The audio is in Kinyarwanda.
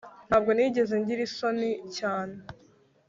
Ntabwo nigeze ngira isoni cyane